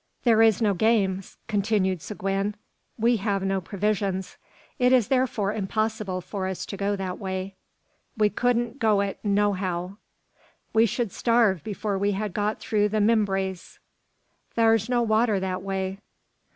"There is no game," continued Seguin. "We have no provisions; it is therefore impossible for us to go that way." "We couldn't go it, nohow." "We should starve before we had got through the Mimbres." "Thar's no water that way."